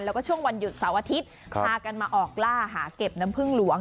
แล้วก็ช่วงวันหยุดเสาร์อาทิตย์พากันมาออกล่าหาเก็บน้ำพึ่งหลวง